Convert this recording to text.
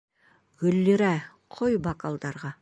Гөллирә, ҡой бокалдарға!